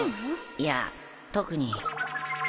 いや特に。